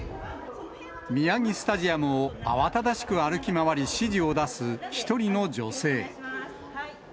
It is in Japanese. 宮城スタジアムを慌ただしく歩き回り、指示を出す１人の女性。